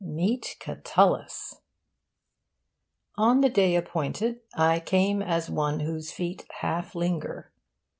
Meet Catullus! On the day appointed 'I came as one whose feet half linger.